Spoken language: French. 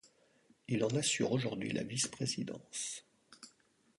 Il en assure aujourd'hui la vice-présidence.